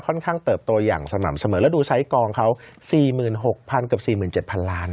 ข้างเติบโตอย่างสม่ำเสมอแล้วดูใช้กองเขา๔๖๐๐กับ๔๗๐๐ล้าน